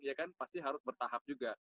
ya kan pasti harus bertahap juga